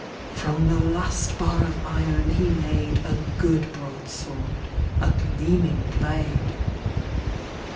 From the last bar of iron he made A good broadsword — a gleaming blade.